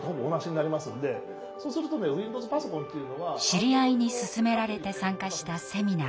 知り合いに勧められて参加したセミナー。